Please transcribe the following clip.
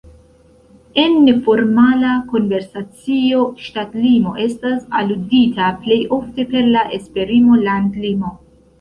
En neformala konversacio ŝtatlimo estas aludita plej ofte per la esprimo landlimo.